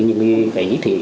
những cái ý thị